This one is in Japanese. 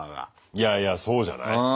いやいやそうじゃない？